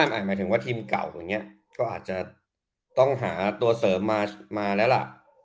หมายถึงว่าทีมเก่าอย่างนี้ก็อาจจะต้องหาตัวเสริมมาแล้วล่ะ